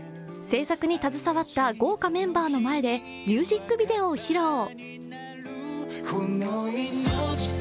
制作に携わった豪華メンバーの前でミュージックビデオを披露。